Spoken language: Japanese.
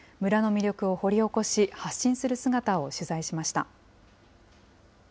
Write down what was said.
村の魅力を掘り起こし、発信する姿を取材しました。